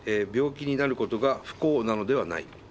「病気になることが不幸なのではない。